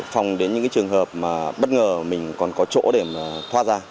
phòng đến những trường hợp mà bất ngờ mình còn có chỗ để mà thoát ra